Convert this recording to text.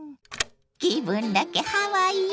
気分だけハワイよ。